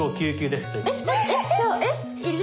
えっ！